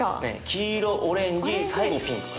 黄色オレンジ最後ピンクかな。